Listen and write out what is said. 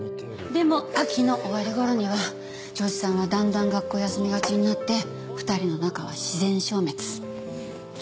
でも秋の終わり頃には銚子さんはだんだん学校を休みがちになって２人の仲は自然消滅。